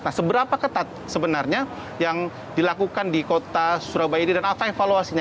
nah seberapa ketat sebenarnya yang dilakukan di kota surabaya ini dan apa evaluasinya